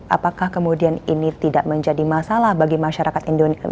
apakah kemudian ini tidak menjadi masalah bagi masyarakat indonesia